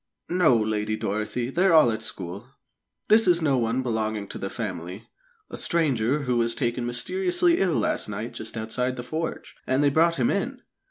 "No, Lady Dorothy; they're all at school. This is no one belonging to the family a stranger who was taken mysteriously ill last night just outside the forge, and they brought him in.